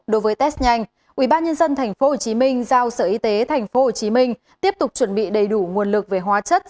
đối với test nhanh ubnd tp hcm giao sở y tế tp hcm tiếp tục chuẩn bị đầy đủ nguồn lực về hóa chất